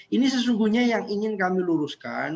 ini sesungguhnya yang ingin kami luruskan